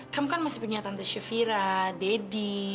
kamu kan masih punya tante syafira daddy